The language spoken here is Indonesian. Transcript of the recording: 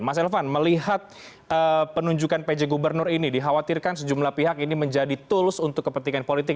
mas elvan melihat penunjukan pj gubernur ini dikhawatirkan sejumlah pihak ini menjadi tools untuk kepentingan politik